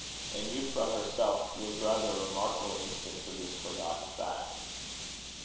And Euphra herself was rather a remarkable instance of this forgotten fact.